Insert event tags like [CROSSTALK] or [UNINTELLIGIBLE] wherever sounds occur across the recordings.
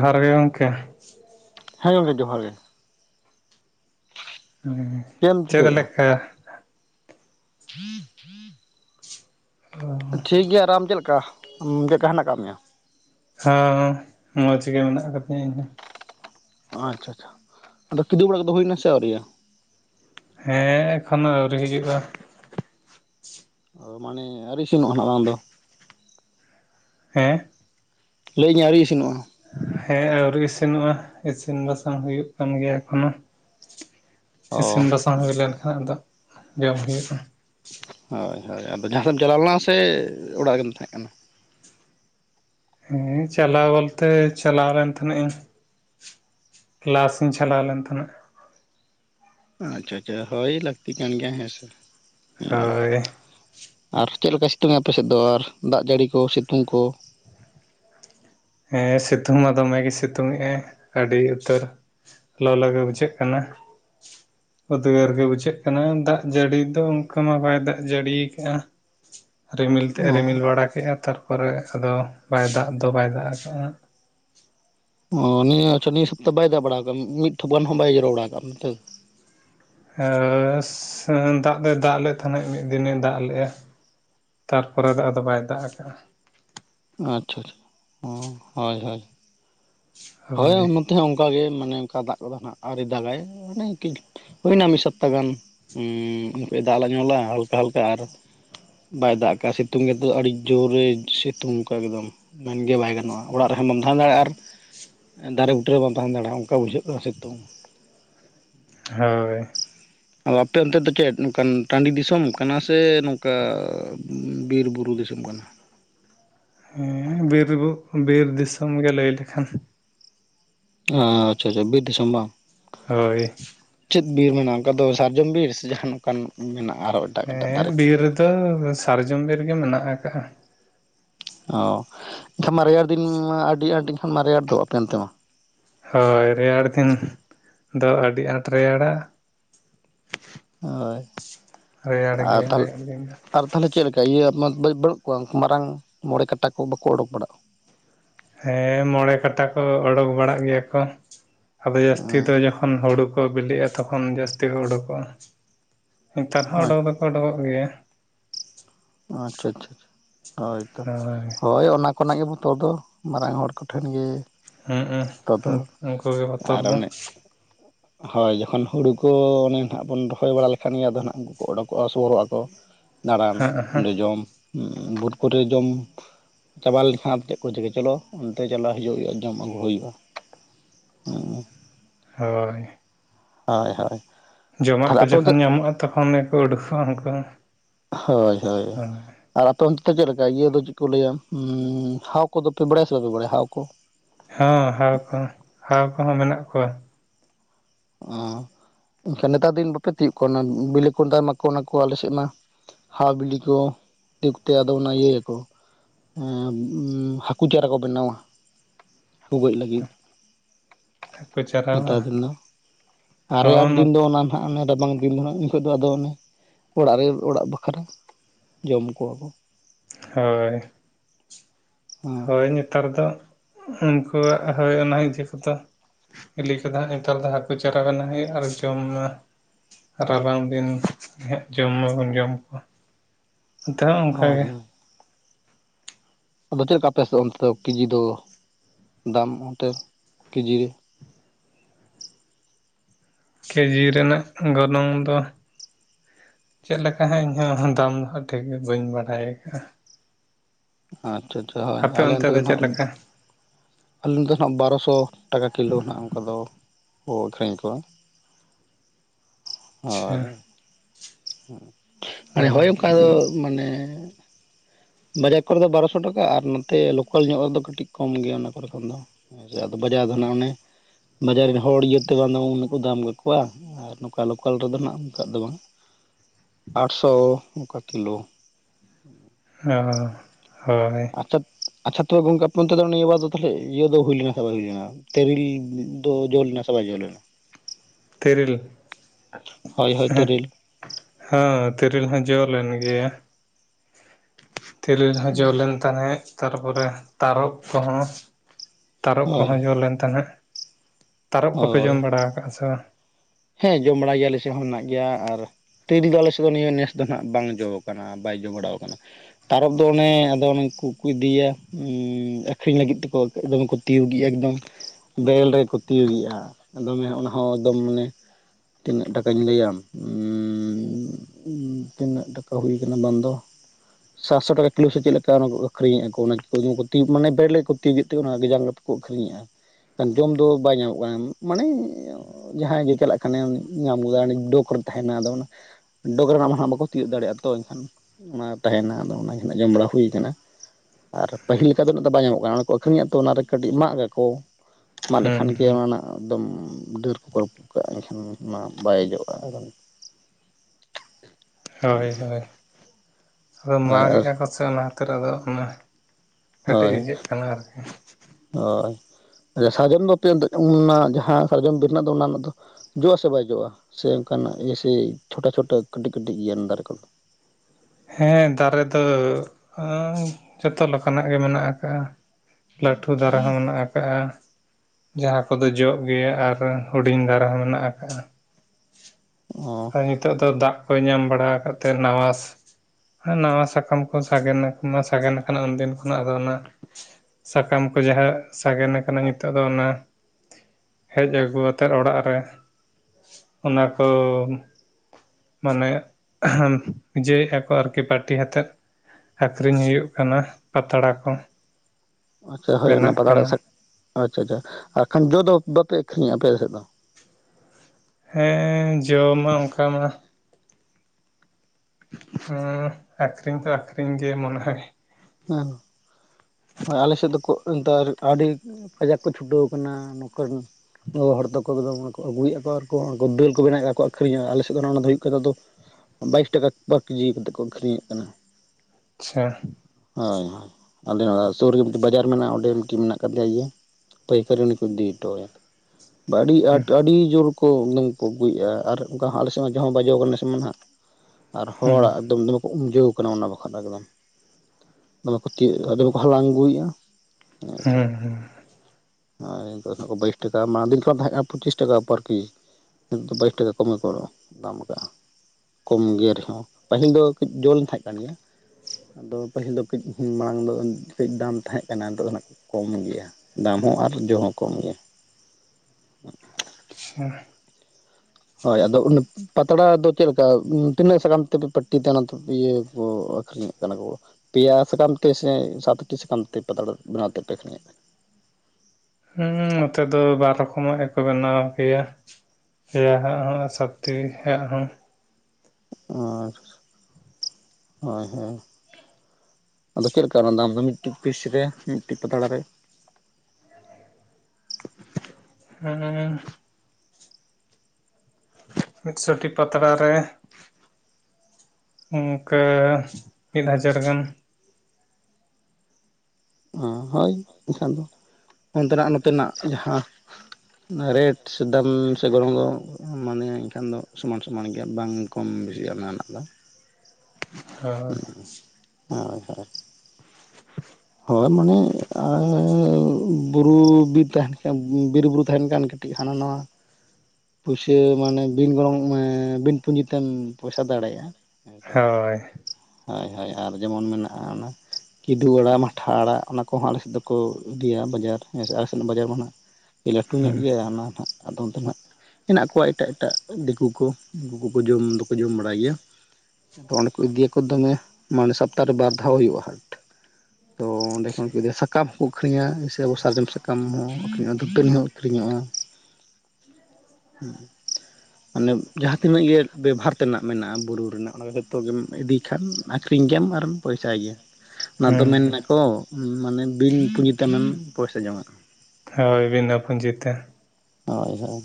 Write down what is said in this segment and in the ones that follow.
ᱡᱚᱦᱟᱨ ᱜᱮ ᱜᱚᱝᱠᱮ ᱦᱮᱸ ᱜᱚᱝᱠᱮ ᱡᱚᱦᱟᱨ ᱜᱮ, ᱦᱩᱸ ᱮᱢ ᱪᱮᱫ ᱪᱤᱠᱟᱹᱭᱮᱫᱼᱟ ᱞᱮᱠᱟᱼᱼ [INAUDIBLE] ᱴᱷᱤᱠ ᱜᱮᱭᱟ ᱟᱨ ᱟᱢ ᱪᱮᱫ ᱞᱮᱠᱟ ᱟᱢ ᱪᱮᱫ ᱦᱮᱱᱟᱜ ᱟᱠᱟᱫ ᱢᱮᱭᱟ ᱦᱮᱸ ᱢᱚᱡᱽ ᱜᱮ ᱢᱮᱱᱟᱜ ᱟᱠᱟᱫᱤᱧᱟ ᱤᱧ ᱦᱚᱸᱼᱼ ᱚ ᱟᱪᱪᱷᱟ ᱟᱪᱪᱷᱟ ᱟᱫᱚ ᱠᱤᱫᱩ ᱵᱮᱲᱟ ᱠᱚᱫᱚ ᱦᱩᱭ ᱮᱱᱟ ᱥᱮ ᱟᱣᱨᱤᱭᱟᱹ ᱦᱮᱸ ᱮᱠᱷᱚᱱᱳ ᱟᱹᱣᱨᱤ ᱦᱩᱭᱩᱜᱼᱟ ᱚ ᱢᱟᱱᱮ ᱟᱹᱣᱨᱤ ᱤᱥᱤᱱᱚᱜ ᱦᱟᱜ ᱵᱟᱝ ᱫᱚᱼᱼ ᱦᱮᱸ ᱞᱟᱹᱭ ᱟᱹᱧ ᱟᱹᱣᱨᱤ ᱤᱥᱤᱱᱚᱜᱼᱟ ᱦᱮᱸ ᱟᱹᱣᱨᱤ ᱤᱥᱤᱱᱚᱜᱼᱟ ᱤᱥᱤᱱ ᱵᱟᱥᱟᱝ ᱦᱩᱭᱩᱜ ᱠᱟᱱ ᱜᱮᱭᱟ ᱮᱠᱷᱚᱱᱳ ᱚ ᱤᱥᱤᱱ ᱵᱟᱥᱟᱝ ᱦᱩᱭ ᱞᱮᱱ ᱠᱷᱟᱱ ᱟᱫᱚ ᱡᱚᱢ ᱦᱩᱭᱩᱜᱼᱟ ᱾ ᱦᱳᱭ, ᱦᱳᱭ᱾ ᱟᱫᱚ ᱡᱟᱦᱟᱸ ᱥᱮᱫ ᱮᱢ ᱪᱟᱞᱟᱣ ᱞᱮᱱᱟ ᱥᱮ ᱚᱲᱟᱜ ᱜᱮᱢ ᱛᱟᱦᱮᱸ ᱠᱟᱱᱟ ᱾ ᱦᱮᱸ ᱪᱟᱞᱟᱣ ᱵᱚᱞᱛᱮ ᱪᱟᱞᱟᱣ ᱞᱮᱱ ᱛᱟᱦᱮᱱ ᱤᱧ ᱠᱞᱟᱥ ᱤᱧ ᱪᱟᱞᱟᱣ ᱞᱮᱱ ᱛᱟᱦᱮᱱᱟ ᱾ ᱟᱪᱪᱷᱟ, ᱟᱪᱪᱷᱟ᱾ ᱦᱳᱭ ᱞᱟᱹᱠᱛᱤ ᱠᱟᱱ ᱜᱮᱭᱟ ᱦᱮᱸ ᱥᱮ ᱾ ᱦᱳᱭ᱾ ᱟᱨ ᱪᱮᱫ ᱞᱮᱠᱟ ᱥᱤᱛᱩᱝ ᱮᱜ ᱟᱯᱮ ᱥᱮᱫ ᱫᱚ ᱟᱨ ᱫᱟᱜ ᱡᱟᱹᱲᱤ ᱠᱚ ᱥᱤᱛᱩᱝ ᱠᱚ? ᱦᱮᱸ ᱥᱤᱛᱩᱝ ᱢᱟ ᱫᱚᱢᱮ ᱜᱮ ᱥᱤᱛᱩᱝ ᱮᱫ ᱟᱭ ᱟᱹᱰᱤ ᱩᱛᱟᱹᱨ ᱾ ᱞᱚᱞᱚ ᱜᱮ ᱵᱩᱡᱷᱟᱹᱜ ᱠᱟᱱᱟ ᱾ ᱩᱫᱽᱜᱟᱹᱨ ᱜᱮ ᱵᱩᱡᱷᱟᱹᱜ ᱠᱟᱱᱟ ᱾ ᱫᱟᱜ ᱡᱟᱹᱲᱤ ᱫᱚ ᱚᱱᱠᱟ ᱢᱟ ᱵᱟᱭ ᱫᱟᱜ ᱡᱟᱹᱲᱤᱭᱟ ᱟᱠᱟᱫᱼᱟ ᱾ ᱨᱤᱢᱤᱞ ᱛᱮᱫ ᱮ ᱚ ᱨᱤᱢᱤᱞ ᱵᱟᱲᱟ ᱠᱮᱜᱼᱟ, ᱛᱟᱨᱯᱚᱨᱮ ᱟᱫᱚ ᱵᱟᱭ ᱫᱟᱜ ᱫᱚ ᱵᱟᱭ ᱫᱟᱜ ᱠᱟᱜᱼᱟ ᱾ ᱚ ᱱᱤᱭᱟᱹ ᱟᱪᱪᱷᱟ ᱱᱤᱭᱟᱹ ᱥᱚᱯᱛᱟ ᱵᱟᱭ ᱫᱟᱜ ᱵᱟᱲᱟᱟᱣ ᱠᱟᱜᱼᱟ, ᱢᱤᱫ ᱴᱷᱚᱯ ᱜᱟᱱ ᱦᱚᱸ ᱵᱟᱭ ᱡᱚᱨᱚ ᱵᱟᱲᱟ ᱠᱟᱜᱼᱟ ᱚᱱᱛᱮ [UNINTELLIGIBLE] ᱫᱟᱜ ᱫᱚᱭ ᱫᱟᱜ ᱞᱮᱫ ᱛᱟᱦᱮᱸᱱᱟ ᱢᱤᱫ ᱫᱤᱱᱮ ᱫᱟᱜ ᱞᱮᱫᱼᱟ ᱾ ᱛᱟᱨᱯᱚᱨᱮ ᱫᱚ ᱟᱫᱚ ᱵᱟᱭ ᱫᱟᱜ ᱟᱠᱟᱫᱼᱟ ᱾ ᱟᱪᱪᱷᱟ, ᱟᱪᱪᱷᱟ ᱚ ᱦᱳᱭ, ᱦᱳᱭ ᱾ ᱦᱳᱭ ᱱᱚᱛᱮ ᱛᱮ ᱦᱚᱸ ᱚᱱᱠᱟᱟᱜ ᱜᱮ ᱢᱟᱱᱮ ᱚᱱᱠᱟ ᱫᱟᱜ ᱠᱚᱫᱚ ᱦᱟᱸᱜ ᱟᱣᱨᱤ ᱫᱟᱜᱟᱭ ᱢᱟᱱᱮ [INAUDIBLE] ᱦᱩᱭᱱᱟ ᱢᱤᱫ ᱥᱚᱯᱛᱟ ᱜᱟᱱ ᱫᱟᱜ [INAUDIBLE] ᱦᱟᱞᱠᱟ ᱦᱟᱞᱠᱟ ᱟᱨ ᱵᱟᱭ ᱫᱟᱜ ᱠᱟᱜᱼᱟ, ᱥᱤᱛᱩᱝ ᱜᱮ ᱜᱮᱛᱚ ᱟᱹᱰᱤ ᱡᱳᱨᱮ ᱥᱤᱛᱩᱝ ᱟᱠᱟ ᱮᱠᱫᱚᱢ ᱾ ᱢᱮᱱᱜᱮ ᱵᱟᱭ ᱜᱟᱱᱚᱜᱼᱟ᱾ ᱚᱲᱟᱜ ᱨᱮᱦᱚᱸ ᱵᱟᱢ ᱫᱷᱟᱱ ᱫᱟᱲᱮᱭᱟᱜᱼᱟ ᱟᱨ ᱫᱟᱨᱮ ᱵᱩᱴᱟᱹᱨᱮ ᱵᱟᱢ ᱛᱮᱦᱮᱱ ᱫᱟᱲᱮᱭᱟᱜᱼᱟ᱾ ᱚᱱᱠᱟ ᱵᱩᱡᱷᱟᱹᱜᱼᱟ ᱥᱤᱛᱩᱝ ᱾ ᱦᱳᱭ᱾ ᱟᱫᱚ ᱟᱯᱮ ᱚᱱᱛᱮ ᱫᱚ ᱪᱮᱫ ᱱᱚᱝᱠᱟᱱ ᱴᱟᱺᱰᱤ ᱫᱤᱥᱚᱢ ᱠᱟᱱᱟ ᱥᱮ ᱱᱚᱝᱠᱟ ᱵᱤᱨ ᱵᱩᱨᱩ ᱫᱤᱥᱚᱢ ᱠᱟᱱᱟ ᱾ ᱦᱮᱸ ᱵᱤᱨ ᱵᱩᱨᱩ ᱵᱤᱨ ᱫᱤᱥᱚᱢ ᱜᱮ ᱞᱟᱹᱭ ᱞᱮᱠᱷᱟᱱ ᱾ ᱚ ᱟᱪᱪᱷᱟ, ᱟᱪᱪᱷᱟ ᱵᱤᱨ ᱫᱤᱥᱚᱢ ᱵᱟᱝ ᱾ ᱦᱳᱭ᱾ ᱪᱮᱫ ᱵᱤᱨ ᱢᱮᱱᱟᱜ ᱚᱱᱠᱟ ᱫᱚ ᱥᱟᱨᱡᱚᱢ ᱵᱤᱨ ᱥᱮ ᱡᱟᱦᱟᱱᱟᱜ ᱚᱱᱠᱟᱱ ᱢᱮᱱᱟᱜᱼᱟ ᱟᱨ ᱦᱮᱸ ᱵᱤᱨ ᱨᱮᱫᱚ ᱥᱟᱨᱡᱚᱢ ᱵᱤᱨ ᱜᱮ ᱢᱮᱱᱟᱜ ᱟᱠᱟᱜᱼᱟ ᱾ ᱚ ᱮᱱᱠᱷᱟᱱ ᱢᱟ ᱨᱮᱭᱟᱲ ᱫᱤᱱ ᱢᱟ ᱟᱹᱰᱤ ᱟᱸᱴ ᱜᱮ ᱦᱟᱸᱜ ᱢᱟ ᱨᱮᱭᱟᱲ ᱫᱚ ᱟᱯᱮ ᱚᱱᱛᱮ ᱢᱟ ᱾ ᱦᱳᱭ ᱨᱮᱭᱟᱲ ᱫᱤᱱ ᱫᱚ ᱟᱹᱰᱤ ᱟᱸᱴ ᱨᱮᱭᱟᱲᱟ ᱾ ᱦᱳᱭ ᱨᱮᱭᱟᱲ ᱟᱨ ᱜᱮᱭᱟ ᱛᱟᱦᱚᱞᱮ ᱨᱮᱭᱟᱲ ᱫᱤᱱ ᱫᱚ ᱟᱨ ᱛᱟᱦᱚᱞᱮ ᱪᱮᱫ ᱞᱮᱠᱟ ᱤᱭᱟᱹ ᱵᱟᱹᱱᱩᱜ ᱠᱚᱣᱟ ᱩᱱᱠᱩ ᱢᱟᱨᱟᱝ ᱢᱚᱬᱮ ᱠᱟᱴᱟ ᱠᱚ ᱵᱟᱠᱚ ᱚᱰᱚᱠ ᱵᱟᱲᱟᱜ ᱾ ᱦᱮᱸ ᱢᱚᱬᱮ ᱠᱟᱴᱟ ᱠᱚ ᱚᱰᱳᱠ ᱵᱟᱲᱟᱜ ᱜᱮᱭᱟ ᱠᱚ ᱾ ᱟᱫᱚ ᱡᱟᱹᱥᱛᱤ ᱫᱚ ᱡᱚᱠᱷᱚᱱ ᱦᱳᱲᱳ ᱠᱚ ᱵᱤᱞᱤᱜᱼᱟ, ᱛᱚᱠᱷᱚᱱ ᱡᱟᱹᱥᱛᱤ ᱦᱳᱰᱩ ᱠᱚᱚᱜᱼᱟ ᱾ ᱱᱮᱛᱟᱨ ᱦᱚᱸ ᱦᱮᱸ ᱩᱰᱚᱠ ᱫᱚᱠᱚ ᱩᱰᱩᱠᱚᱜ ᱜᱮᱭᱟ ᱾ ᱟᱪᱪᱷᱟ, ᱟᱪᱪᱷᱟᱷᱟ ᱦᱳᱭ ᱛᱚ᱾ ᱦᱳᱭ ᱚᱱᱟ ᱠᱷᱚᱱᱟᱜ ᱜᱮ ᱵᱚᱛᱚᱨ ᱫᱚ ᱢᱟᱨᱟᱝ ᱦᱚᱲ ᱠᱚᱴᱷᱮᱱ ᱜᱮ ᱵᱚᱛᱚᱨ ᱫᱚ ᱦᱮᱸ ᱩᱱᱠᱩ ᱜᱮ ᱵᱚᱛᱚᱨ ᱟᱨ ᱫᱚ ᱚᱱᱮ ᱾ ᱦᱳᱭ ᱡᱚᱠᱷᱚᱱ ᱦᱩᱲᱩ ᱠᱚ ᱚᱱᱮ ᱱᱟᱦᱟᱜ ᱵᱚᱱ ᱨᱚᱦᱚᱭ ᱵᱟᱲᱟ ᱞᱮᱠᱷᱟᱱ ᱜᱮ, ᱟᱫᱚ ᱱᱟᱜ ᱩᱱᱠᱩ ᱠᱚ ᱚᱰᱳᱠᱚᱜᱼᱟ ᱥᱚᱵᱚᱨᱚᱜᱼᱟ ᱠᱚ ᱾ ᱫᱟᱬᱟᱱ ᱦᱮᱸ ᱡᱚᱡᱚᱢ ᱵᱷᱩᱴ ᱠᱚᱨᱮ ᱡᱚᱢ ᱾ ᱪᱟᱵᱟᱣ ᱞᱮᱱᱠᱷᱟᱱ ᱪᱮᱫ ᱠᱚ ᱪᱤᱠᱭᱟ ᱪᱚᱞᱚ ᱚᱱᱛᱮ ᱪᱟᱞᱟᱣ ᱦᱤᱡᱩᱜ ᱦᱩᱭᱩᱜᱼᱟ ᱡᱚᱢ ᱟᱹᱜᱩ ᱦᱩᱭᱩᱜᱼᱟ ᱾ ᱦᱩᱸ ᱾ ᱦᱳᱭ᱾ ᱦᱳᱭ, ᱦᱳᱭ ᱾ ᱡᱚᱢᱟᱜ ᱠᱚ ᱡᱚᱠᱷᱚᱱ ᱧᱟᱢᱚᱜᱼᱟ ᱛᱚᱠᱷᱚᱱ ᱜᱮᱠᱚ ᱩᱰᱩᱠᱚᱜᱼᱟ ᱩᱱᱠᱩ ᱦᱚᱸ ᱾ ᱦᱚᱭ ᱦᱚᱭ ᱾ ᱟᱨ ᱟᱯᱮ ᱚᱱᱛᱮ ᱪᱮᱫ ᱞᱮᱠᱟ ᱤᱭᱟᱹ ᱫᱚ ᱪᱮᱫ ᱠᱚ ᱞᱟᱹᱭᱟ ᱦᱟᱣ ᱠᱚᱫᱚᱯᱮ ᱵᱟᱲᱟᱭᱟ ᱥᱮ ᱵᱟᱯᱮ ᱵᱟᱲᱟᱭᱟ ᱦᱟᱣ ᱠᱚ? ᱦᱚᱸ ᱦᱟᱣ ᱠᱚ ᱦᱟᱣ ᱠᱚᱦᱚᱸ ᱢᱮᱱᱟᱜ ᱠᱚᱣᱟ ᱾ ᱚ ᱮᱱᱠᱷᱟᱱ ᱱᱮᱛᱟᱨ ᱫᱤᱱ ᱵᱟᱯᱮ ᱛᱤᱭᱩᱜ ᱠᱚᱣᱟ ᱚᱱᱟ ᱵᱤᱞᱤ ᱠᱚᱸᱫᱟ ᱢᱟᱠᱚ ᱚᱱᱟ ᱠᱚ ᱟᱞᱮᱥᱮᱜ ᱢᱟ ᱾ ᱦᱟᱣ ᱵᱤᱞᱤ ᱠᱚ ᱴᱩᱠᱛᱮ ᱟᱫᱚ ᱚᱱᱟ ᱤᱭᱟᱹᱭᱟᱠᱚ ᱾ ᱟᱸᱵ, ᱩᱸ ᱦᱟᱹᱠᱩ ᱪᱟᱨᱟ ᱠᱚ ᱵᱮᱱᱟᱣᱟ ᱾ ᱦᱟᱹᱠᱩ ᱜᱚᱡᱽ ᱞᱟᱹᱜᱤᱫ, ᱦᱟᱹᱠᱩ ᱱᱮᱛᱟᱨ ᱪᱟᱨᱟᱣᱟ ᱫᱤᱱ ᱫᱚ᱾ ᱟᱨ ᱨᱮᱭᱟᱲ ᱦᱚᱸ ᱫᱤᱱ ᱫᱚ ᱚᱱᱟ ᱱᱷᱟᱜ ᱚᱱᱮ ᱨᱟᱵᱟᱝ ᱩᱱ ᱡᱩᱠᱷᱟᱹᱡ ᱟᱫᱚ ᱚᱱᱮ ᱚᱲᱟᱜ ᱨᱮ ᱚᱲᱟᱜ ᱵᱟᱠᱷᱟᱨᱟ ᱾ ᱡᱚᱢ ᱠᱚᱣᱟ ᱠᱚ ᱾ ᱦᱚᱭ ᱾ ᱦᱚ ᱾ ᱦᱚᱭ ᱱᱮᱛᱟᱨ ᱫᱚ ᱩᱱᱠᱩᱣᱟᱜ ᱦᱚᱭ ᱚᱱᱟ ᱤᱭᱟᱹ ᱠᱚᱫᱚ ᱵᱤᱞᱤ ᱠᱚᱫᱚ ᱦᱟᱸᱜ ᱱᱮᱛᱟᱨ ᱫᱚ ᱦᱟᱹᱠᱩ ᱪᱟᱨᱟ ᱠᱟᱱᱟᱣ ᱦᱩᱭᱩᱜ-ᱟ, ᱟᱨ ᱡᱚᱢᱟ ᱨᱟᱵᱟᱝ ᱫᱤᱱ ᱦᱟᱸᱜ ᱡᱚᱢ ᱢᱟᱵᱚᱱ ᱡᱚᱢ ᱠᱚᱣᱟ ᱚᱱᱛᱮ ᱦᱚᱸ ᱚᱝᱠᱟ ᱦᱳᱭ ᱜᱮ ᱾ ᱦᱳᱭ ᱟᱫᱚ ᱪᱮᱫ ᱞᱮᱠᱟ ᱟᱯᱮᱥᱮᱜ ᱚᱱᱛᱮ ᱫᱚ ᱠᱤᱡᱤ ᱫᱚ ᱫᱟᱢ ᱚᱱᱛᱮ ᱠᱤᱡᱤ ᱨᱮ? ᱠᱤᱡᱤ ᱨᱮᱱᱟᱜ ᱜᱚᱱᱚᱝ ᱫᱚ ᱪᱮᱫ ᱞᱮᱠᱟ ᱦᱟᱸᱜ ᱤᱧᱦᱚᱸ ᱫᱟᱢ ᱫᱚ ᱦᱟᱸᱜ ᱴᱷᱤᱠ ᱜᱮ ᱵᱟᱹᱧ ᱵᱟᱲᱟᱭ ᱟᱠᱟᱫᱟᱼᱟ ᱾ ᱟᱪᱪᱷᱟ ᱟᱪᱪᱷᱟ ᱦᱳᱭ ᱦᱟᱯᱮ ᱚᱱᱛᱮ ᱫᱚ ᱪᱮᱫ ᱞᱮᱠᱟ? ᱟᱞᱤᱧ ᱫᱚ ᱦᱟᱸᱜ ᱵᱟᱨᱚ ᱥᱚ ᱴᱟᱠᱟ ᱠᱤᱞᱚ ᱱᱟᱦᱟᱜ ᱚᱱᱠᱟ ᱫᱚ ᱠᱚ ᱟᱹᱠᱷᱨᱤᱧ ᱠᱚᱣᱟ ᱾ ᱟᱪᱪᱷᱟ ᱦᱚᱭ ᱦᱚᱭ ᱾ ᱦᱩᱸ ᱢᱟᱱᱮ ᱦᱚᱭ ᱦᱳᱭ ᱚᱱᱠᱟ ᱫᱚ ᱢᱟᱱᱮ ᱵᱟᱡᱟᱨ ᱠᱚᱨᱮ ᱫᱚ ᱵᱟᱨᱚ ᱥᱚ ᱴᱟᱠᱟ ᱟᱨ ᱱᱚᱛᱮ ᱞᱚᱠᱟᱞ ᱧᱚᱜ ᱨᱮᱫᱚ ᱠᱟᱹᱴᱤᱡ ᱠᱚᱢ ᱜᱮᱭᱟ ᱚᱱᱟ ᱠᱚᱨᱮ ᱠᱷᱚᱱ ᱫᱚ ᱾ ᱦᱮᱸᱪᱮ ᱟᱫᱚ ᱵᱟᱡᱟᱨ ᱫᱚ ᱱᱷᱟᱜ ᱚᱱᱮ ᱵᱟᱡᱟᱨ ᱨᱤᱱ ᱦᱚᱲ ᱤᱭᱟᱹᱛᱮ ᱵᱟᱝ ᱫᱚ ᱩᱱᱟᱹᱜ ᱠᱚ ᱫᱟᱢ ᱠᱟᱠᱚᱣᱟ, ᱟᱨ ᱱᱚᱝᱠᱟ ᱞᱚᱠᱟᱞ ᱨᱮᱫᱚ ᱱᱟᱦᱟᱜ ᱚᱱᱠᱟ ᱫᱚ ᱵᱟᱝ ᱾ ᱟᱴ ᱥᱚ, ᱚᱝᱠᱟ ᱠᱤᱞᱚ ᱾ ᱚ ᱦᱚᱭ ᱾ ᱟᱪᱪᱷᱟ, ᱟᱪᱪᱷᱟ ᱛᱚᱵᱮ ᱜᱚᱝᱠᱟ ᱟᱯᱮ ᱚᱱᱛᱮ ᱫᱚ ᱱᱤᱭᱟᱹ ᱫᱷᱟᱣ ᱫᱚ ᱛᱟᱦᱞᱮ ᱤᱭᱟᱹ ᱫᱚ ᱦᱩᱭ ᱞᱮᱱᱟ ᱥᱮ ᱵᱟᱝ ᱦᱩᱭ ᱞᱮᱱᱟ ᱾ ᱛᱤᱨᱤᱞ ᱫᱚ ᱡᱚ ᱞᱮᱱᱟ ᱥᱮ ᱵᱟᱭ ᱡᱚ ᱞᱮᱱᱟ? ᱛᱤᱨᱤᱞ ᱾ ᱦᱚᱭ ᱦᱚᱭ ᱛᱮᱨᱤᱞ ᱾ ᱦᱚᱸ ᱛᱤᱨᱤᱞ ᱦᱚᱸ ᱡᱚ ᱞᱮᱱ ᱜᱮᱭᱟ ᱾ ᱛᱤᱨᱤᱞ ᱦᱚᱸ ᱡᱚ ᱞᱮᱱ ᱛᱟᱦᱮᱸᱜ ᱛᱟᱨ ᱯᱚᱨᱮ ᱛᱟᱨᱚᱵᱽ ᱠᱚᱦᱚᱸ᱾ ᱛᱟᱨᱚᱵᱽ ᱦᱳᱭ ᱠᱚᱦᱚᱸ ᱡᱚ ᱞᱮᱱ ᱛᱟᱦᱮᱸᱜ ᱛᱟᱨᱚᱵᱽ ᱠᱚᱯᱮ ᱦᱳᱭ ᱡᱚᱢ ᱵᱟᱲᱟᱠᱟᱜᱼᱟ ᱥᱮ ᱵᱟᱝ? ᱦᱮᱸ ᱡᱚᱢ ᱵᱟᱲᱟᱭ ᱜᱮᱭᱟ ᱞᱮ, ᱟᱞᱮ ᱥᱮᱜ ᱦᱚᱸ ᱢᱮᱱᱟᱜ ᱜᱮᱭᱟ ᱟᱨ ᱛᱤᱨᱤᱞ ᱫᱚ ᱟᱞᱮᱥᱮ ᱫᱚ ᱱᱤᱭᱟᱹ ᱱᱮᱥ ᱫᱚ ᱱᱷᱟᱜ ᱵᱟᱝ ᱡᱚ ᱟᱠᱟᱱᱟ, ᱵᱟᱭ ᱡᱚ ᱵᱟᱲᱟᱣ ᱟᱠᱟᱱᱟ ᱾ ᱛᱟᱨᱚᱵᱽ ᱫᱚ ᱚᱱᱮ ᱟᱫᱚ ᱚᱱ ᱩᱱᱠᱩ ᱠᱚ ᱤᱫᱤᱭᱟ ᱩᱸ ᱟᱠᱷᱨᱤᱧ ᱞᱟᱹᱜᱤᱫ ᱛᱮᱠᱚ᱾ ᱫᱚᱢᱮ ᱠᱚ ᱛᱤᱭᱩᱜ ᱜᱮᱭᱟ ᱮᱠᱫᱚᱢ ᱵᱮᱨᱮᱞ ᱨᱮᱜᱮ ᱠᱚ ᱛᱤᱭᱩᱜ ᱜᱮᱜ-ᱟ‌ ᱫᱚᱢᱮ ᱚᱱᱟ ᱦᱚᱸ ᱫᱚᱢ ᱢᱟᱱᱮ ᱛᱤᱱᱟᱹᱜ ᱴᱟᱠᱟᱧ ᱞᱟᱹᱭᱟᱢ ᱩᱸ ᱩᱸ ᱛᱤᱱᱟᱹᱜ ᱴᱟᱠᱟ ᱦᱩᱭ ᱟᱠᱟᱱᱟ ᱵᱟᱝᱫᱚ ᱥᱟᱛ ᱥᱚ ᱴᱟᱠᱟ ᱠᱤᱞᱚ ᱥᱮ ᱪᱮᱫ ᱞᱮᱠᱟ ᱚᱱᱟ ᱠᱚ ᱟᱹᱠᱷᱨᱤᱧ ᱧᱮᱜᱼᱟᱠᱚ, [UNINTELLIGIBLE] ᱠᱚ ᱟᱹᱠᱷᱨᱤᱧᱮᱜᱼᱟ, ᱠᱷᱟᱱ ᱡᱚᱢ ᱫᱚ ᱵᱟᱭ ᱧᱟᱢᱚᱜ ᱠᱟᱱᱟ, ᱢᱟᱱᱮ ᱡᱟᱦᱟᱸᱭ ᱜᱮ ᱪᱟᱞᱟᱜ ᱠᱷᱟᱱᱮᱢ ᱧᱟᱢ ᱜᱚᱫᱟ ᱚᱱᱰᱮ ᱰᱚᱜᱽ ᱨᱮ ᱛᱟᱦᱮᱸᱱᱟ, ᱟᱫᱚ ᱚᱱᱟ ᱰᱚᱜᱽ ᱨᱮᱱᱟᱜ ᱢᱟᱱᱟᱜ ᱵᱟᱠᱚ ᱛᱤᱭᱩᱜ ᱫᱟᱲᱮᱭᱟᱜᱼᱟ ᱛᱚ ᱮᱱᱠᱷᱟᱱ ᱚᱱᱟ ᱛᱟᱦᱮᱸᱱᱟ, ᱟᱫᱚ ᱚᱱᱟᱜᱮ ᱱᱟᱜ ᱡᱚᱢ ᱵᱟᱲᱟ ᱦᱩᱭ ᱠᱟᱱᱟ ᱾ ᱟᱨ ᱯᱟᱹᱦᱤᱞ ᱞᱮᱠᱟ ᱫᱚ ᱩᱱᱟᱹᱜ ᱫᱚ ᱵᱟᱭ ᱧᱟᱢᱚᱜ ᱠᱟᱱᱟ ᱚᱱᱟ ᱠᱚ ᱟᱹᱠᱷᱨᱤᱧᱼᱟ ᱛᱚ ᱚᱱᱟᱨᱮ ᱠᱟᱹᱴᱤᱡ ᱢᱟᱜᱽ ᱜᱟᱠᱚ ᱾ ᱢᱟᱜᱽ ᱦᱩᱸ ᱞᱮᱠᱷᱟᱱ ᱜᱮ ᱦᱩᱸ ᱚᱱᱟ ᱨᱮᱱᱟᱜ ᱮᱠᱫᱚᱢ ᱰᱟᱹᱨ ᱠᱚᱠᱚ ᱠᱟᱜ ᱮᱱᱠᱷᱟᱱ ᱚᱱᱟ ᱵᱟᱭ ᱡᱚᱜᱼᱟ᱾ ᱦᱳᱭ ᱦᱳᱭ᱾ ᱟᱫᱚ ᱦᱳᱭ ᱢᱟᱜᱽ ᱟᱨ ᱮᱫᱟ ᱠᱚ ᱥᱮ ᱚᱱᱟ ᱠᱷᱟᱹᱛᱤᱨ ᱟᱫᱚ ᱚᱱᱟ ᱠᱟᱹᱴᱤᱡ ᱦᱳᱭ ᱦᱤᱡᱟᱹᱜ ᱠᱟᱱᱟ ᱟᱨᱠᱤ᱾ ᱦᱳᱭ ᱟᱪᱪᱷᱟ ᱥᱟᱨᱡᱚᱢ ᱫᱚ [UNINTELLIGIBLE] ᱡᱟᱦᱟᱸ ᱥᱟᱨᱡᱚᱢ ᱵᱤᱨ ᱨᱮᱱᱟᱜ ᱫᱚ ᱚᱱᱟ ᱨᱮᱱᱟᱜ ᱫᱚ ᱡᱚᱜᱼᱟ ᱥᱮ ᱵᱟᱭ ᱡᱚᱜᱼᱟ ᱥᱮ ᱚᱱᱠᱟᱱᱟᱜ ᱤᱭᱟ. ᱪᱷᱳᱴᱟ ᱪᱷᱳᱴᱟ ᱠᱟᱹᱴᱤᱡ ᱠᱟᱹᱴᱤᱡ ᱜᱮ ᱚᱱᱟ ᱫᱟᱨᱮ ᱠᱷᱚᱱ? ᱦᱮᱸ ᱫᱟᱨᱮ ᱫᱚ ᱚᱸ ᱡᱷᱚᱛᱚ ᱞᱮᱠᱟᱱᱟᱜ ᱜᱮ ᱢᱮᱱᱟᱜ ᱟᱠᱟᱜᱼᱟ᱾ ᱞᱟᱹᱴᱷᱩ ᱫᱟᱨᱮ ᱦᱚᱸ ᱢᱮᱱᱟᱜ ᱟᱠᱟᱜᱼᱟ᱾ ᱡᱟᱦᱟᱸ ᱠᱚᱫᱚ ᱡᱚᱜ ᱜᱮᱭᱟ ᱟᱨ ᱦᱩᱸᱰᱤᱧ ᱫᱷᱟᱨᱟ ᱦᱚᱸ ᱢᱮᱱᱟᱜ ᱟᱠᱟᱜᱼᱟ᱾ ᱚ ᱦᱳᱭ ᱱᱤᱛᱚᱜ ᱫᱚ ᱫᱟᱜ ᱠᱚᱭ ᱧᱟᱢ ᱵᱟᱲᱟ ᱟᱠᱟᱫ ᱛᱮ ᱱᱟᱣᱟᱥ ᱱᱟᱣᱟ ᱥᱟᱠᱟᱢ ᱠᱚ ᱥᱟᱜᱮᱱ ᱟᱠᱟᱱᱟ᱾ ᱥᱟᱜᱮᱱ ᱟᱠᱟᱱᱟ ᱩᱱᱫᱤᱱ ᱠᱷᱚᱱᱟᱜ ᱟᱫᱚ ᱩᱱᱟᱹᱜ ᱥᱟᱠᱟᱢ ᱠᱚ ᱡᱟᱦᱟᱸ ᱥᱟᱜᱮᱱ ᱟᱠᱟᱱᱟ ᱱᱤᱛᱚᱜ ᱫᱚ ᱚᱱᱟ ᱦᱮᱡ ᱟᱹᱜᱩ ᱟᱛᱮᱫ ᱚᱲᱟᱜ ᱨᱮ ᱚᱱᱟ ᱠᱚ ᱢᱟᱱᱮ ᱡᱮ ᱟᱹᱨᱠᱤ ᱯᱟᱹᱴᱤ ᱦᱟᱛᱮᱫ ᱟᱹᱠᱷᱨᱤᱧ ᱦᱩᱭᱩᱜ ᱠᱟᱱᱟ᱾ ᱯᱟᱛᱲᱟ ᱠᱚ ᱟᱪᱪᱷᱟ ᱦᱳᱭ [UNINTELLIGIBLE] ᱵᱮᱱᱟᱜ ᱠᱟᱱᱟ ᱟᱪᱪᱷᱟ ᱟᱪᱪᱷᱟ, ᱟᱨᱠᱷᱟᱱ ᱡᱚ ᱫᱚ ᱵᱟᱯᱮ ᱟᱹᱠᱷᱨᱤᱧᱟ ᱟᱯᱮ ᱥᱮᱫ ᱫᱚ? ᱦᱮᱸ ᱡᱚ ᱢᱟ ᱚᱱᱠᱟ ᱢᱟ ᱦᱩᱸ ᱟᱹᱠᱷᱨᱤᱧ ᱛᱚ ᱟᱹᱠᱷᱨᱤᱧ ᱜᱮ ᱢᱚᱱᱮ ᱦᱚᱭ᱾ ᱦᱮᱸ᱾ ᱦᱳᱭ ᱟᱞᱮᱥᱮᱫ ᱫᱚ ᱟᱴ ᱮᱱᱛᱟᱨ ᱟᱹᱰᱤ ᱠᱟᱡᱟᱠ ᱠᱚ ᱪᱷᱩᱴᱟᱹᱣ ᱟᱠᱟᱱᱟ ᱱᱚᱱᱠᱟᱱ [UNINTELLIGIBLE] ᱵᱟᱭᱤᱥ ᱴᱟᱠᱟ ᱯᱟᱨ ᱠᱮᱡᱤ ᱠᱟᱛᱮᱫᱜ ᱠᱚ ᱟᱹᱠᱷᱨᱤᱧᱮᱫ ᱠᱟᱱᱟ᱾ ᱟᱪᱪᱷᱟ᱾ ᱦᱳᱭ ᱦᱳᱭ ᱟᱞᱮ ᱚᱲᱟᱜ ᱥᱳᱨ ᱨᱮᱜᱮ ᱢᱤᱫᱴᱤ ᱵᱟᱡᱟᱨ ᱢᱮᱱᱟᱜᱼᱟ ᱚᱸᱰᱮ ᱢᱤᱫᱴᱤ ᱢᱮᱱᱟᱜ ᱟᱠᱟᱫᱮᱭᱟ ᱤᱭᱟᱹ ᱯᱟᱹᱭᱠᱟᱹᱨ ᱩᱱᱤ ᱠᱚ ᱤᱫᱤ ᱦᱚᱴᱚ ᱟᱭᱟ᱾ ᱵᱟ ᱟᱹᱰᱤ ᱦᱩᱸ ᱟᱸᱴ ᱟᱹᱰᱤ ᱡᱳᱨ ᱠᱚ ᱩᱰᱟᱹᱝ ᱠᱚ ᱟᱹᱜᱩᱭᱮᱫᱼᱟ ᱟᱨ ᱚᱱᱠᱟ ᱦᱚᱸ ᱟᱞᱮ ᱥᱮᱫ ᱢᱟ ᱡᱚ ᱦᱚᱸ ᱵᱟᱣ ᱡᱚ ᱠᱟᱱ ᱱᱮᱥᱢᱟ ᱦᱟᱸᱜ᱾ ᱟᱨ ᱦᱩᱸ ᱦᱚᱲᱟᱜ ᱫᱚᱢ ᱫᱚᱢᱮ ᱠᱚ ᱩᱢᱡᱟᱣ ᱠᱟᱱᱟ ᱚᱱᱟ ᱵᱟᱠᱷᱨᱟ ᱮᱠᱫᱚᱢ᱾ ᱫᱟᱢᱮ ᱠᱚ ᱛᱤᱭᱳᱜ ᱟᱫᱚ ᱵᱟᱠᱚ ᱦᱟᱞᱟᱝ ᱟᱹᱜᱩᱭᱮᱫᱼᱟ᱾ ᱦᱮᱸ ᱦᱮᱸ᱾ ᱟᱨ [UNINTELLIGIBLE] ᱵᱟᱭᱤᱥ ᱴᱟᱠᱟ ᱢᱟᱲᱟᱝ ᱫᱤᱱ ᱠᱷᱚᱱᱟᱜ ᱛᱟᱷᱮᱸᱜ ᱠᱟᱱᱟ ᱯᱚᱸᱪᱤᱥ ᱴᱟᱠᱟ ᱯᱟᱨ ᱠᱮᱡᱤ᱾ ᱱᱤᱛ ᱫᱚ ᱵᱟᱭᱤᱥ ᱴᱟᱠᱟ ᱠᱚᱢ ᱜᱮ ᱠᱚ ᱫᱟᱢ ᱟᱠᱟᱜᱼᱟ᱾ ᱠᱚᱢ ᱜᱮ ᱨᱮᱦᱚᱸ ᱯᱟᱹᱦᱤᱞ ᱫᱚ ᱠᱟᱹᱡ ᱡᱚ ᱞᱮᱱ ᱛᱟᱦᱮᱸᱫ ᱠᱟᱱ ᱜᱮᱭᱟ ᱟᱫᱚ ᱯᱟᱹᱦᱤᱞ ᱫᱚ ᱠᱟᱹᱡ ᱢᱟᱲᱟᱝ ᱫᱚ ᱠᱟᱹᱡ ᱫᱟᱢ ᱛᱟᱦᱮᱸᱜ ᱠᱟᱱᱟ ᱱᱤᱛᱚᱜ ᱫᱚ ᱱᱥᱦᱜ ᱠᱚᱢ ᱜᱮᱭᱟ᱾ ᱫᱟᱢ ᱦᱚᱸ ᱟᱨ ᱡᱚ ᱦᱚᱸ ᱠᱚᱢ ᱜᱮᱭᱟ᱾ ᱟᱪᱪᱷᱟ᱾ ᱦᱳᱭ ᱟᱫᱚ ᱩᱱᱟᱹᱜ ᱯᱟᱛᱲᱟ ᱫᱚ ᱪᱮᱫ ᱞᱮᱠᱟ ᱛᱤᱱᱟᱹᱜ ᱥᱟᱠᱟᱢ ᱛᱮᱯᱮ ᱯᱟᱴᱤ ᱛᱮ ᱚᱱᱟ ᱫᱚ ᱤᱭᱟᱹ ᱠᱚ ᱟᱠᱷᱨᱤᱧᱮᱫ ᱠᱟᱱᱟ ᱠᱚ᱾ ᱯᱮᱭᱟ ᱥᱟᱠᱟᱢ ᱛᱮ ᱥᱮ ᱥᱟᱛᱴᱤ ᱥᱟᱠᱟᱢ ᱛᱮ ᱯᱟᱛᱲᱟ ᱵᱮᱱᱟᱣ ᱛᱮᱯᱮ ᱟᱠᱨᱤᱧᱟ᱾ ᱦᱩᱸ ᱱᱚᱛᱮ ᱫᱚ ᱵᱟᱨ ᱨᱚᱠᱚᱢᱟᱜ ᱜᱮᱠᱚ ᱵᱮᱱᱟᱣ ᱜᱮᱭᱟ᱾ ᱯᱭᱟᱜ ᱦᱟᱸᱜ ᱦᱚᱸ ᱥᱟᱛᱴᱤ ᱦᱟᱸᱜ ᱦᱚᱸ᱾ ᱟᱨ ᱦᱳᱭ ᱦᱳᱭ᱾ ᱟᱫᱚ ᱪᱮᱫ ᱞᱮᱠᱟ ᱚᱱᱟ ᱫᱟᱢ ᱫᱚ ᱢᱤᱫᱴᱤᱡ ᱯᱤᱥ ᱨᱮ ᱢᱤᱫᱴᱤᱡ ᱯᱟᱛᱲᱟ ᱨᱮ᱾ ᱦᱩᱸ ᱢᱤᱫᱥᱚᱴᱤ ᱯᱟᱛᱲᱟ ᱨᱮ ᱚᱱᱠᱟᱹ ᱢᱤᱫ ᱦᱟᱡᱟᱨ ᱜᱟᱱᱼᱼ ᱚᱸ ᱦᱳᱭ ᱮᱱᱠᱷᱟᱱ ᱫᱚ ᱚᱱᱛᱮᱱᱟᱜ ᱱᱚᱛᱮᱱᱟᱜ ᱡᱟᱦᱟᱸᱼᱼ ᱚᱱᱟ ᱨᱮᱹᱴ ᱥᱮ ᱫᱟᱢ ᱥᱮ ᱜᱚᱲᱚᱝ ᱫᱚ ᱢᱟᱱᱮ ᱮᱱᱠᱷᱟᱱ ᱫᱚ ᱥᱚᱢᱟᱱ ᱥᱚᱢᱟᱱ ᱜᱮᱭᱟ ᱵᱟᱝ ᱠᱚᱢ ᱵᱮᱥᱤᱜᱼᱟ ᱚᱱᱟ ᱨᱮᱱᱟᱜ ᱫᱚᱼᱼ ᱦᱳᱭ ᱦᱳᱭ ᱦᱳᱭ [INAUDIBLE] ᱦᱳᱭ ᱢᱟᱱᱮ [UNINTELLIGIBLE] ᱵᱩᱨᱩ ᱵᱤᱨ ᱛᱟᱦᱮᱱ ᱠᱷᱟᱱ ᱵᱤᱨ ᱵᱩᱨᱩ ᱛᱟᱦᱮᱱ ᱠᱷᱟᱱ ᱠᱟᱹᱴᱤᱡ ᱦᱟᱱᱟ ᱱᱟᱣᱟᱼᱼ [INAUDIBLE] ᱯᱩᱭᱥᱟᱹ ᱢᱟᱱᱮ ᱵᱤᱱ ᱜᱚᱱᱚᱝ ᱢᱟᱱᱮ ᱵᱤᱱ ᱯᱩᱸᱡᱤ ᱛᱮᱢ ᱯᱚᱭᱥᱟ ᱫᱟᱲᱮᱭᱟᱜᱼᱟ ᱦᱮᱸ ᱥᱮ ᱦᱳᱭ ᱦᱳᱭ ᱦᱳᱭ ᱦᱳᱭ ᱟᱨ ᱡᱮᱢᱚᱱ ᱢᱮᱱᱟᱜᱼᱟ ᱚᱱᱟ ᱠᱤᱫᱩ ᱟᱲᱟᱜ ᱢᱟᱴᱷᱼᱼ ᱴᱷᱟ ᱟᱲᱟᱜ ᱚᱱᱟ ᱠᱚᱦᱚᱸ ᱟᱞᱮ ᱥᱮᱫ ᱫᱚᱠᱚ ᱤᱫᱤᱭᱟ ᱵᱟᱡᱟᱨ ᱦᱮᱸ ᱥᱮ ᱟᱞᱮ ᱥᱮᱫ ᱵᱟᱡᱟᱨ ᱢᱟ ᱱᱟᱦᱟᱜ ᱞᱟᱹᱴᱩ ᱧᱚᱜ ᱦᱩᱸ ᱜᱮᱭᱟ ᱚᱱᱟ ᱦᱟᱴ ᱦᱟᱸᱜ ᱟᱫ ᱚᱱᱟ ᱦᱟᱸᱜ ᱦᱮᱱᱟᱜ ᱠᱚᱣᱟ ᱮᱴᱟᱜ ᱮᱴᱟᱜ ᱫᱤᱠᱩ ᱠᱚ ᱩᱱᱠᱩ ᱠᱚᱠᱚ ᱡᱚᱢ ᱫᱚᱠᱚ ᱡᱚᱢ ᱵᱟᱲᱟᱭ ᱜᱮᱭᱟ ᱚᱸᱰᱮ ᱠᱚ ᱤᱫᱤᱭ ᱟᱠᱚ ᱫᱚᱢᱮ ᱢᱟᱱᱮ ᱥᱚᱯᱛᱟᱦ ᱨᱮ ᱵᱟᱨ ᱫᱷᱟᱣ ᱦᱩᱭᱩᱜᱼᱟ ᱟᱨᱠᱤ ᱦᱟᱴᱼᱼ ᱛᱚ ᱚᱸᱰᱮ ᱠᱷᱚᱱ ᱠᱚ ᱤᱫᱤᱭᱟ ᱥᱟᱠᱟᱢ ᱦᱚᱸᱠᱚ ᱟᱹᱷᱨᱤᱧᱟ ᱡᱮᱥᱮ ᱟᱵᱚ ᱥᱟᱨᱡᱚᱢ ᱥᱟᱠᱟᱢ ᱦᱚᱸ ᱟᱹᱠᱷᱨᱤᱧᱚᱜᱼᱟ ᱫᱟᱹᱛᱟᱱᱤ ᱦᱚᱸ ᱟᱹᱠᱷᱨᱤᱧᱚᱜᱼᱟ [INAUDIBLE] ᱢᱟᱱᱮ ᱡᱟᱦᱟᱸ ᱛᱤᱱᱟᱹᱜ ᱤᱭᱟᱹ ᱵᱮᱵᱷᱟᱨ ᱛᱮᱱᱟᱜ ᱢᱮᱱᱟᱜᱼᱟ ᱵᱩᱨᱩ ᱨᱮᱱᱟᱜ ᱚᱱᱟ ᱡᱚᱛᱚ ᱜᱮᱢ ᱤᱫᱤᱼᱼ ᱮᱱ ᱠᱷᱟᱱ ᱟᱹᱠᱷᱨᱤᱧ ᱜᱮᱭᱟᱢ ᱟᱨᱮᱢ ᱯᱚᱭᱥᱟᱭ ᱜᱮᱭᱟ ᱚᱱᱟ ᱫᱚ ᱦᱩᱸ ᱢᱮᱱ ᱟᱠᱚ ᱢᱟᱱᱮ ᱵᱤᱧ ᱯᱩᱸᱡᱤ ᱛᱮ ᱟᱢᱮᱢ ᱯᱚᱭᱥᱟ ᱡᱚᱝᱟᱜ-ᱟ ᱦᱳᱭ ᱵᱤᱱᱟᱹ ᱯᱩᱸᱡᱤ ᱛᱮᱼᱼ ᱦᱳᱭ ᱦᱳᱭ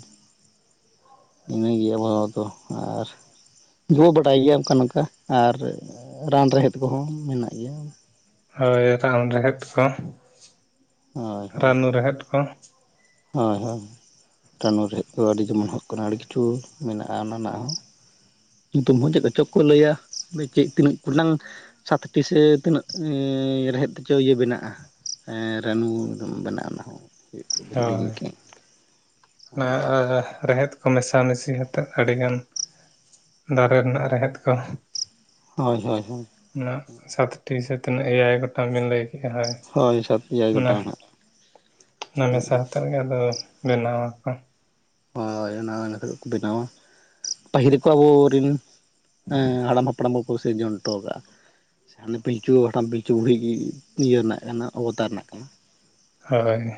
ᱤᱱᱟᱹ ᱜᱮ ᱟᱵᱚ ᱫᱚ ᱟᱨᱼᱼ ᱡᱚ ᱵᱟᱰᱟᱭ ᱜᱮᱭᱟ ᱚᱱᱠᱟ ᱱᱚᱝᱠᱟ ᱟᱨ ᱨᱟᱱ ᱨᱮᱦᱮᱫ ᱠᱚᱦᱚᱸ ᱢᱮᱱᱟᱜ ᱜᱮᱭᱟ ᱦᱳᱭ ᱨᱟᱱ ᱨᱮᱦᱮᱫ ᱠᱚ ᱦᱳᱭ ᱦᱳᱭ ᱨᱟᱱᱩ ᱨᱮᱦᱮᱫ ᱠᱚ ᱦᱳᱭ ᱦᱳᱭ ᱨᱟᱱᱩ ᱨᱮᱦᱮᱫ ᱫᱚ ᱟᱹᱰᱤ ᱡᱮᱢᱚᱱ ᱦᱩᱭᱩᱜ ᱠᱟᱱᱟ ᱟᱹᱰᱤ ᱠᱤᱪᱷᱩ ᱢᱮᱱᱟᱜᱼᱟ ᱚᱱᱟ ᱨᱮᱱᱟᱜ ᱦᱚᱸ ᱧᱩᱛᱩᱢ ᱦᱚᱸ ᱪᱮᱫ ᱠᱚ ᱪᱚ ᱠᱚ ᱞᱟᱹᱭᱟ ᱪᱮᱫ ᱛᱤᱱᱟᱹᱜ ᱠᱚᱴᱟᱝ ᱥᱟᱛᱴᱤ ᱥᱮ ᱛᱤᱱᱟᱹᱜ ᱨᱮᱦᱮᱫ ᱛᱮᱪᱚ ᱤᱭᱟᱹ ᱵᱮᱱᱟᱜᱼᱟ ᱮᱸ ᱨᱟᱱᱩ ᱵᱮᱱᱟᱜ ᱚᱱᱟ ᱦᱚᱸ [INAUDIBLE] ᱦᱤᱲᱤᱧ ᱦᱳᱭ ᱠᱮᱫ [UNINTELLIGIBLE] [UNINTELLIGIBLE] ᱨᱮᱦᱮᱫ ᱠᱚ ᱢᱮᱥᱟᱢᱤᱥᱤ ᱠᱟᱛᱮᱫ ᱟᱹᱰᱤ ᱜᱟᱱ ᱫᱟᱨᱮ ᱨᱮᱱᱟᱜ ᱨᱮᱦᱮᱫ ᱠᱚ ᱦᱳᱭ ᱦᱳᱭ ᱦᱳᱭ ᱚᱱᱟ ᱥᱟᱛᱴᱤ ᱥᱮ ᱛᱤᱱᱟᱹᱜ ᱮᱭᱟᱭ ᱜᱚᱴᱟᱝ ᱵᱤᱱ ᱞᱟᱹᱭ ᱠᱮᱫᱮᱜᱼᱟ ᱦᱳᱭ ᱦᱳᱭ ᱥᱟᱛ ᱮᱭᱟᱭ ᱚᱱᱟ ᱜᱚᱴᱟᱝ ᱱᱟᱦᱟᱜ ᱚᱱᱟ ᱢᱮᱥᱟ [UNINTELLIGIBLE] ᱦᱟᱛᱮᱫ ᱜᱮ ᱟᱫᱚ ᱵᱮᱱᱟᱣ ᱟᱠᱚ ᱦᱳᱭ ᱚᱱᱟ ᱚᱱᱟ ᱠᱚᱛᱮᱜ ᱠᱚ ᱵᱮᱱᱟᱣᱟ ᱯᱟᱹᱦᱤᱞ ᱠᱚ ᱟᱵᱚ ᱨᱤᱱᱼᱼ ᱦᱮᱸ ᱦᱟᱲᱟᱢ ᱦᱟᱯᱲᱟᱢ ᱠᱚᱠᱚ ᱥᱤᱨᱡᱚᱱ ᱦᱚᱴᱚᱣ ᱠᱟᱜᱼᱟ ᱥᱮ ᱦᱟᱱᱮ ᱯᱤᱞᱪᱩ ᱦᱟᱲᱟᱢ ᱯᱤᱞᱪᱩ ᱵᱩᱲᱦᱤ ᱜᱮ ᱤᱭᱟᱹ ᱨᱮᱱᱟᱜ ᱠᱟᱱᱟ ᱚᱵᱚᱛᱟᱨ ᱨᱮᱱᱟᱜ ᱠᱟᱱᱟ ᱦᱳᱭ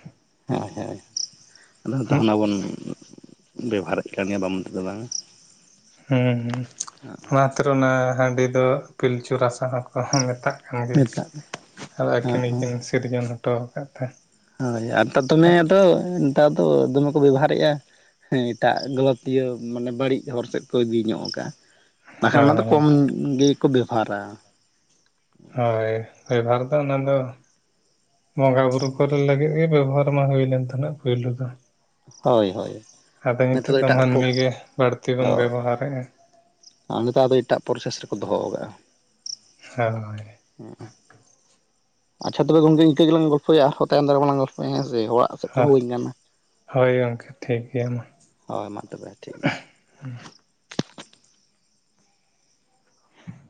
ᱦᱳᱭ ᱦᱳᱭ ᱟᱫᱚ ᱱᱮᱛᱟᱨ ᱦᱩᱸ ᱦᱟᱱᱟ ᱵᱚᱱ ᱵᱮᱵᱚᱦᱟᱨ ᱮᱫ ᱠᱟᱱ ᱜᱮᱭᱟ ᱵᱟᱢ ᱢᱮᱱ ᱛᱮ ᱫᱚ ᱵᱟᱝ ᱦᱩᱸ ᱦᱩᱸ ᱚᱱᱟ ᱠᱷᱟᱛᱤᱨ ᱚᱱᱟ ᱦᱟᱺᱰᱤ ᱫᱚ ᱯᱤᱞᱪᱩ ᱨᱟᱥᱟ ᱦᱚᱸᱠᱚ ᱢᱮᱛᱟᱜ ᱠᱟᱱᱟ ᱠᱷᱟᱱ ᱜᱮ ᱱᱮᱛᱟᱨ ᱫᱚ ᱟᱫᱚ ᱟᱹᱠᱤᱱ ᱦᱚᱸ ᱜᱮᱠᱤᱱ ᱥᱤᱨᱡᱚᱱ ᱦᱚᱴᱚ ᱟᱠᱟᱫ ᱛᱮ ᱦᱳᱭ ᱟᱨ [UNINTELLIGIBLE] ᱫᱚᱢᱮ ᱫᱚ ᱱᱮᱛᱟᱨ ᱫᱚ ᱫᱚᱢᱮ ᱠᱚ ᱵᱮᱵᱷᱟᱨᱮᱜᱼᱟ ᱦᱮᱸ ᱮᱴᱟᱜ ᱜᱚᱞᱚᱛᱤᱭᱟᱹ ᱢᱟᱱᱮ ᱵᱟᱹᱲᱤᱡ ᱦᱚᱨ ᱥᱮᱫ ᱠᱚ ᱤᱫᱤ ᱧᱚᱜ ᱟᱠᱟᱜᱼᱟ ᱵᱟᱠᱷᱟᱱ ᱚᱱᱟ ᱫᱚ ᱦᱳᱭ ᱠᱚᱢ ᱜᱮᱠᱚ ᱵᱮᱵᱷᱟᱨᱟ ᱦᱳᱭ ᱵᱮᱵᱷᱟᱨ ᱫᱚ ᱚᱱᱟ ᱫᱚ ᱵᱚᱸᱜᱟ ᱵᱩᱨᱩ ᱠᱚᱨᱮ ᱞᱟᱹᱜᱤᱫ ᱜᱮ ᱵᱮᱵᱚᱦᱟᱨ ᱢᱟ ᱦᱩᱭ ᱞᱮᱱ ᱛᱟᱦᱮᱸᱱᱟ ᱯᱩᱭᱞᱩ ᱫᱚ᱾ ᱦᱳᱭ ᱦᱳᱭ ᱟᱫᱚ ᱱᱤᱛᱚᱜ ᱱᱤᱛᱳᱜ ᱫᱚ ᱮᱴᱟᱜ ᱯᱚ ᱢᱟᱹᱱᱢᱤ ᱜᱮ ᱵᱟᱹᱲᱛᱤ ᱵᱚᱱ ᱵᱮᱵᱚᱦᱟᱨᱮᱜᱼᱟ᱾ ᱟᱨ ᱱᱮᱛᱟᱨ ᱫᱚ ᱮᱴᱟᱜ ᱯᱨᱚᱥᱮᱥ ᱨᱮᱠᱚ ᱫᱚᱦᱚ ᱠᱟᱜᱼᱟ᱾ ᱦᱳᱭ᱾ ᱦᱩᱸ ᱟᱪᱪᱷᱟ ᱛᱚᱵᱮ ᱜᱚᱝᱠᱮ ᱤᱱᱠᱟᱹ ᱜᱮᱞᱟᱝ ᱜᱚᱞᱯᱷᱚᱭᱟ ᱟᱨ ᱛᱟᱭᱚᱢ ᱫᱟᱨᱟ ᱜᱮᱞᱟᱝ ᱯᱷᱚᱭᱟ ᱦᱮᱸᱥᱮ ᱚᱲᱟᱜ ᱥᱮᱫ ᱠᱚ ᱦᱳᱭ ᱦᱚᱦᱚ ᱤᱧ ᱠᱟᱱᱟ᱾ ᱦᱳᱭ ᱜᱚᱝᱠᱮ ᱴᱷᱤᱠ ᱜᱮᱭᱟ ᱢᱟ᱾ ᱦᱳᱭ ᱢᱟ ᱛᱚᱵᱮ ᱴᱷᱤᱠ ᱜᱮᱭᱟ